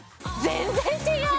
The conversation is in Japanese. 全然違う！